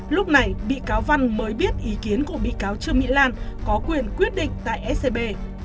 lúc này bị cáo văn mới biết ý kiến của bị cáo trương mỹ lan có quyền quyết định tại scb